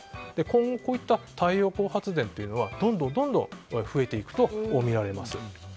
今後、こういった太陽光発電はどんどん増えていくとみられます。